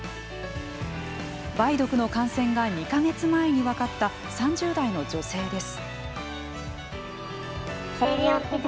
梅毒の感染が２か月前に分かった３０代の女性です。